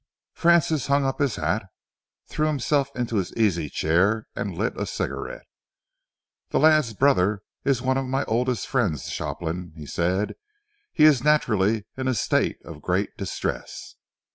Francis hung up his hat, threw himself into his easy chair and lit a cigarette. "The lad's brother is one of my oldest friends, Shopland," he said. "He is naturally in a state of great distress."